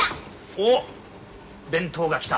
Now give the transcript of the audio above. おっ弁当が来た。